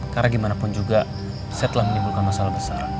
karena gimana pun juga saya telah menimbulkan masalah besar